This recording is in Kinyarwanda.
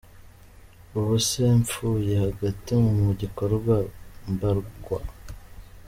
"Ubu se mpfuye hagati mu gikorwa mbagwa?".